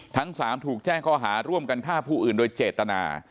ทั้ง๓ถูกแจ้งข้อหาร่วมกันฆ่าผู้อื่นโดยเจตนา